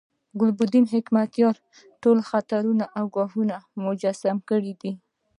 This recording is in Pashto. ګلبدین حکمتیار ټول خطرونه او ګواښونه مجسم کړي دي.